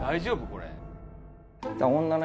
これ。